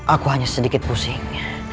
aku hanya sedikit pusing